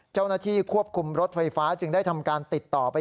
เจ้าหน้าที่ควบคุมรถไฟฟ้าจึงได้ทำการติดต่อไป